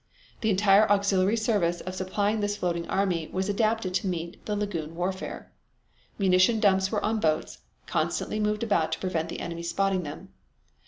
The entire auxiliary service of supplying this floating army was adapted to meet the lagoon warfare. Munition dumps were on boats, constantly moved about to prevent the enemy spotting them.